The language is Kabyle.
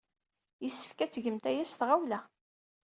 Yessefk ad tgemt aya s tɣawla.